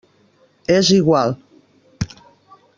És igual.